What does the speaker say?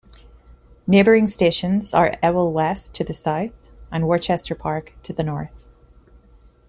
Neighbouring stations are Ewell West to the south and Worcester Park to the north.